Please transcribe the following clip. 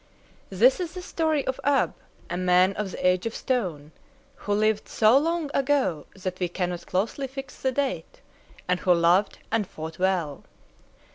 This is the story of Ab, a man of the Age of Stone, who lived so long ago that we cannot closely fix the date, and who loved and fought well.